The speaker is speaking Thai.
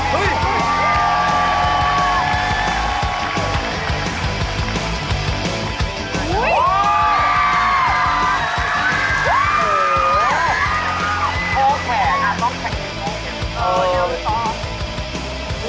ว่ายุ่งที่๑๓